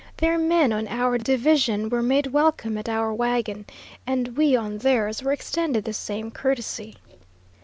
Their men on our division were made welcome at our wagon, and we on theirs were extended the same courtesy.